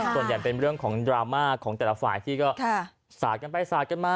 ส่วนใหญ่เป็นเรื่องของดราม่าของแต่ละฝ่ายที่ก็สาดกันไปสาดกันมา